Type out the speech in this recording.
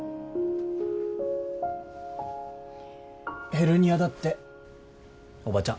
ヘルニアだっておばちゃん。